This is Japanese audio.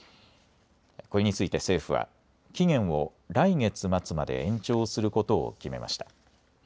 これについて政府は期限を来月末まで延長することを決めました。